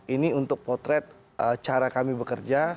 ini untuk potret cara kami bekerja